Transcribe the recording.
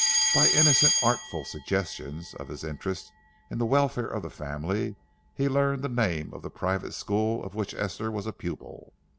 By innocent artful suggestions of his interest in the welfare of the family, he learned the name of the private school of which Esther was a pupil.